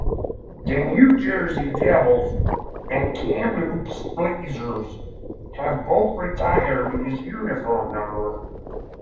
The New Jersey Devils and Kamloops Blazers have both retired his uniform number.